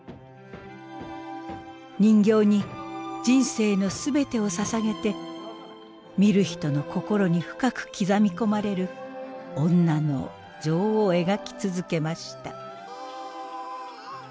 人形に人生の全てをささげて見る人の心に深く刻み込まれる女の情を描き続けました。